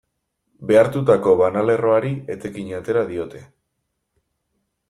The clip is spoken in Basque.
Behartutako banalerroari etekina atera diote.